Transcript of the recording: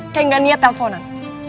kayak gak niat telponan